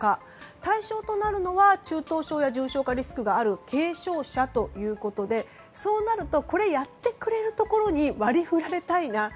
対象となるのは中等症や重症化リスクがある軽症者ということでそうなるとこれをやってくれるところに割り振られたいな。